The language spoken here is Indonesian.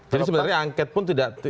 jadi sebenarnya angket pun tidak